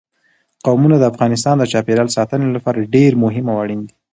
قومونه د افغانستان د چاپیریال ساتنې لپاره ډېر مهم او اړین دي.